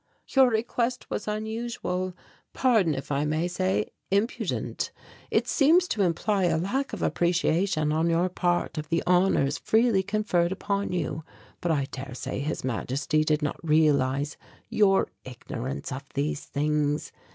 "Your request was unusual; pardon if I may say, impudent; it seems to imply a lack of appreciation on your part of the honours freely conferred upon you but I daresay His Majesty did not realize your ignorance of these things.